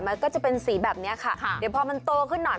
มันก็จะเป็นสีแบบนี้ค่ะเดี๋ยวพอมันโตขึ้นหน่อย